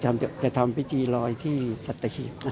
อาจจะทำพิธีลอยที่สัตวิทย์